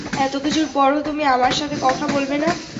এতকিছুর পরও, তুমি আমার সাথে কথা বলবে না?